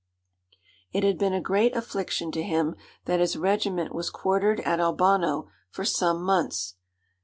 It had been a great affliction to him that his regiment was quartered at Albano for some months.